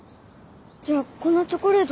じゃあこのチョコレートって。